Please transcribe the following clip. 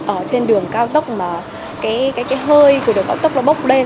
ở trên đường cao tốc mà cái hơi của đường cao tốc nó bốc lên